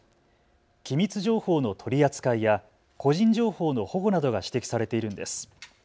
機密情報の取り扱いや個人情報の保護などが指摘されているんです。